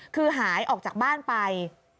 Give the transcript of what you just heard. คือหายออกจากบ้านไป